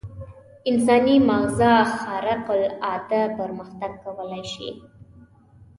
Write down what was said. انساني ماغزه خارق العاده پرمختګ کولای شي.